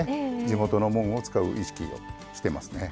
地元のもんを使う意識をしてますね。